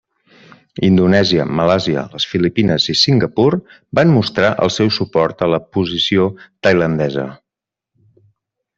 Indonèsia, Malàisia, les Filipines i Singapur van mostrar el seu suport a la posició tailandesa.